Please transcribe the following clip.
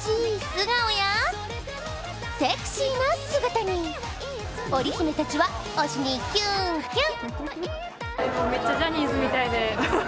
素顔や、セクシーな姿にオリ姫たちは推しにキュンキュン。